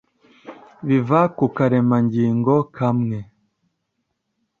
biva Ku karemangingo kamwe?